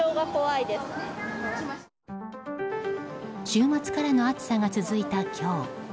週末からの暑さが続いた今日。